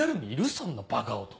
そんなバカ男。